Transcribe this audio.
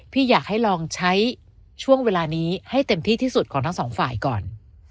พี่อยากให้ลองใช้ช่วงเวลานี้ให้เต็มที่ที่สุดของทั้งสองฝ่ายก่อน